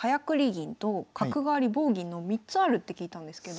銀と角換わり棒銀の３つあるって聞いたんですけど。